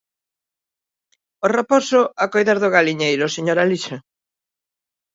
O raposo a coidar do galiñeiro, señor Alixo.